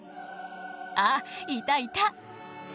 あっいたいた。